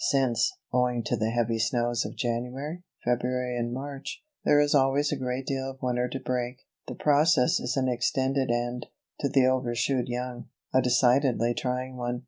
Since, owing to the heavy snows of January, February and March, there is always a great deal of winter to break, the process is an extended and to the "overshoed" young a decidedly trying one.